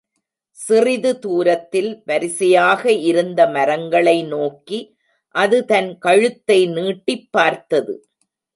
சிறிது தூரத்தில் வரிசையாக இருந்த மரங்களை நோக்கி அது தன் கழுத்தை நீட்டிப் பார்த்தது.